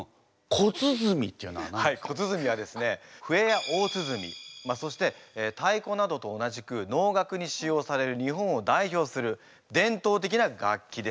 笛や大鼓そして太鼓などと同じく能楽に使用される日本を代表する伝統的な楽器です。